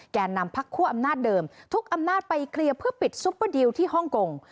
นำพักคั่วอำนาจเดิมทุกอำนาจไปเคลียร์เพื่อปิดซุปเปอร์ดิลที่ฮ่องกง